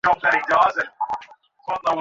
তখন উভয় পক্ষের সৈন্যগণ প্রচণ্ড যুদ্ধে লিপ্ত ছিল।